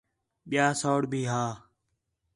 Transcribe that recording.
ٻِیا سَوڑ بھی ہا